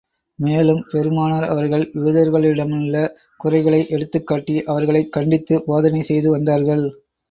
மேலும், பெருமானார் அவர்கள் யூதர்களிடமுள்ள குறைகளை எடுத்துக் காட்டி, அவர்களைக் கண்டித்து போதனை செய்து வந்தார்கள்.